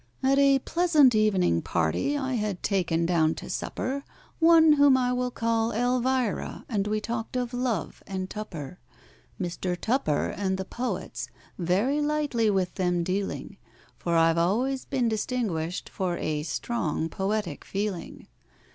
AT a pleasant evening party I had taken down to supper One whom I will call ELVIRA, and we talked of love and TUPPER, MR. TUPPER and the Poets, very lightly with them dealing, For I've always been distinguished for a strong poetic feeling.